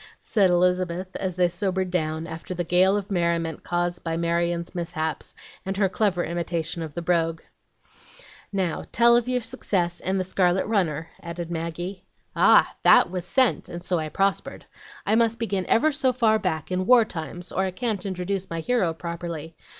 said Elizabeth, as they sobered down after the gale of merriment caused by Marion's mishaps, and her clever imitation of the brogue. "Now tell of your success, and the scarlet runner," added Maggie. "Ah! that was SENT, and so I prospered. I must begin ever so far back, in war times, or I can't introduce my hero properly.